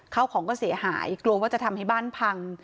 ข้าวของก็เสียหายกลัวว่าจะทำให้บ้านพัง